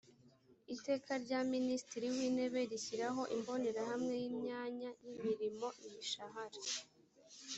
iteka rya minisitiri w intebe rishyiraho imbonerahamwe y imyanya y imirimo imishahara